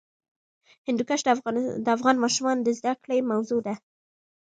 هندوکش د افغان ماشومانو د زده کړې موضوع ده.